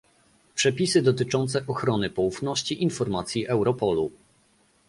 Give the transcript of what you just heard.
Przepisy dotyczące ochrony poufności informacji Europolu